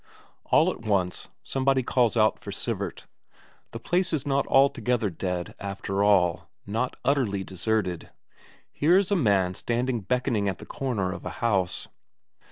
All at once somebody calls out for Sivert. The place is not altogether dead, after all, not utterly deserted; here is a man standing beckoning at the corner of a house.